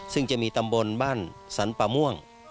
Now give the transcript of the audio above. ซึ่งจะมีตำบลบ้านสรรปะม่วง